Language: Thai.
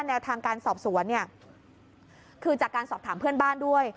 แนวทางการสอบสวนเนี่ยคือจากการสอบถามเพื่อนบ้านด้วย